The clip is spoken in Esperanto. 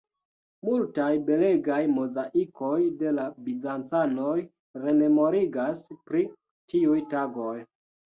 Multaj belegaj mozaikoj de la bizancanoj rememorigas pri tiuj tagoj.